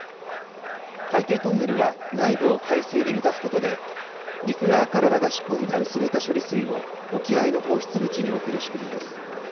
海底トンネルは、内部を海水で満たすことで、陸側から流し込んだ薄めた処理水を沖合の放出口に送る仕組みです。